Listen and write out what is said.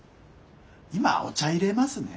今お茶いれますね。